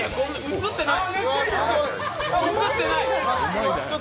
映ってない。